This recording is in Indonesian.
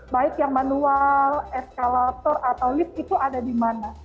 baik yang manual eskalator atau lift itu ada di mana